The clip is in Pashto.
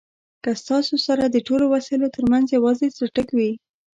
که ستاسو سره د ټولو وسایلو ترمنځ یوازې څټک وي.